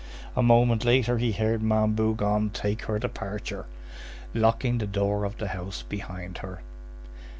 A moment later he heard Ma'am Bougon take her departure, locking the door of the house behind her.